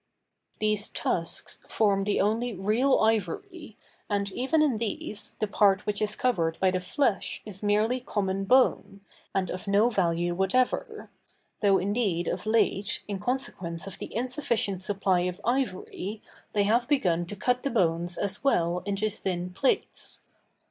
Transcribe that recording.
These tusks form the only real ivory, and, even in these, the part which is covered by the flesh is merely common bone, and of no value whatever; though, indeed, of late, in consequence of the insufficient supply of Ivory, they have begun to cut the bones as well into thin plates.